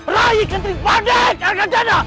raih ketripadek arkadana